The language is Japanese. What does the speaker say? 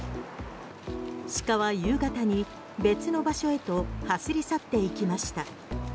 鹿は夕方に別の場所へと走り去っていきました。